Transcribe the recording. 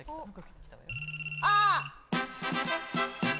ああ。